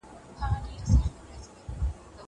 زه هره ورځ واښه راوړم!